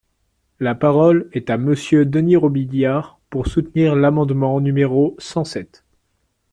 La parole est à Monsieur Denys Robiliard, pour soutenir l’amendement numéro cent sept.